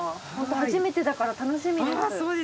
初めてだから楽しみです。